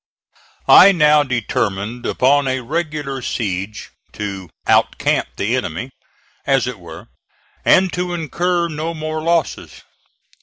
I now determined upon a regular siege to "out camp the enemy," as it were, and to incur no more losses.